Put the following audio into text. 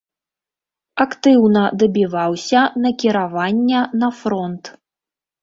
Актыўна дабіваўся накіравання на фронт.